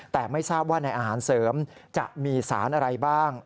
แต่ไม่ทราบว่าในอาหารเสริมจะมีสารอะไรบ้าง